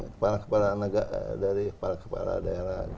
kepala kepala negara dari para kepala daerah